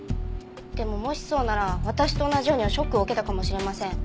でももしそうなら私と同じようにショックを受けたかもしれません。